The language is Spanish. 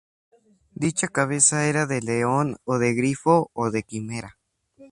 Dicha cabeza era de león o de grifo o de quimera.